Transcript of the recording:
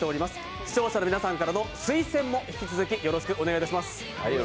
視聴者の皆さんからの推薦も引き続きよろしくお願いします。